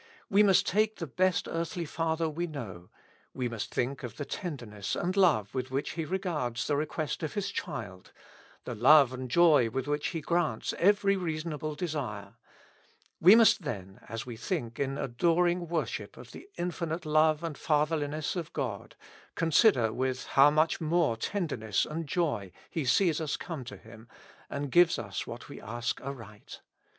We must take the best earthly father we know ; we must think of the tenderness and love with which he regards the request of his child, the love and joy with which he grants every reasonable desire ; we must then, as we think in adoring worship of the infinite Love and Fatherliness of God, consider with hozv much more tenderness and joy He sees us come to Him, and gives us what we ask aright.